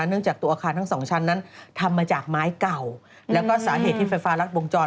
เนื่องจากตัวอาคารทั้งสองชั้นนั้นทำมาจากไม้เก่าแล้วก็สาเหตุที่ไฟฟ้ารัดวงจร